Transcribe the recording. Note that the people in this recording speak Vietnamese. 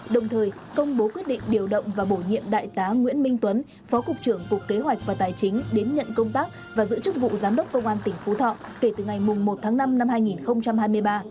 đồng thời công bố quyết định điều động và bổ nhiệm đại tá nguyễn minh tuấn phó cục trưởng cục kế hoạch và tài chính đến nhận công tác và giữ chức vụ giám đốc công an tỉnh phú thọ kể từ ngày một tháng năm năm hai nghìn hai mươi ba